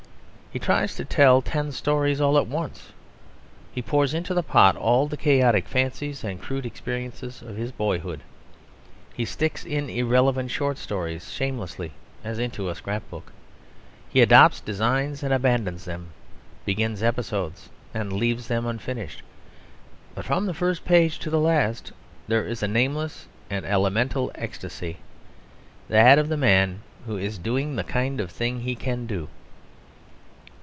He tries to tell ten stories at once; he pours into the pot all the chaotic fancies and crude experiences of his boyhood; he sticks in irrelevant short stories shamelessly, as into a scrap book; he adopts designs and abandons them, begins episodes and leaves them unfinished; but from the first page to the last there is a nameless and elemental ecstasy that of the man who is doing the kind of thing that he can do.